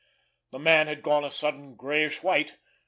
The man had gone a sudden grayish white.